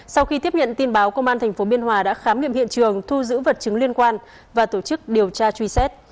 sau khi tiếp nhận tin báo công an tp biên hòa đã khám nghiệm hiện trường thu giữ vật chứng liên quan và tổ chức điều tra truy xét